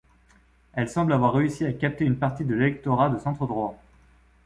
Elle semble avoir réussi à capter une partie de l’électorat de centre droit.